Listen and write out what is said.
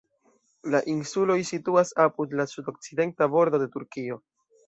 La insuloj situas apud la sudokcidenta bordo de Turkio.